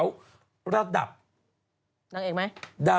หน้าอินโนเซนต์อยู่